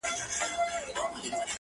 • ازل مي دي په وینو کي نغمې راته کرلي,